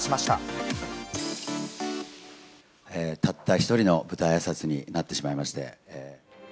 たった一人の舞台あいさつになってしまいまして。